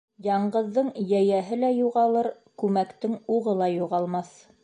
Яңғыҙҙың йәйәһе лә юғалыр, күмәктең уғы ла юғалмаҫ.